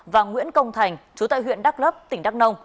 và nguyễn công thành chú tại huyện đắk lấp tỉnh đắk nông